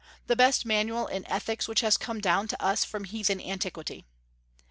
the best manual in ethics which has come down to us from heathen antiquity.